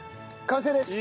完成です！